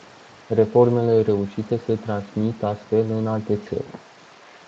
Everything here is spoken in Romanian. Reformele reușite se transmit astfel în alte țări.